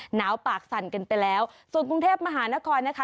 หนาวปากสั่นกันไปแล้วส่วนกรุงเทพมหานครนะคะ